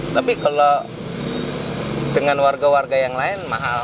tapi kalau dengan warga warga yang lain mahal